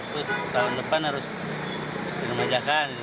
terus tahun depan harus remajakan